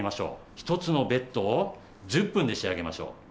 １つのベッドを１０分で仕上げましょう。